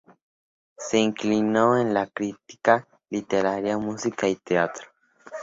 Se inclinó en la crítica literaria, música y teatro.